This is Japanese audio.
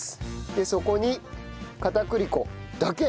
そこに片栗粉だけ。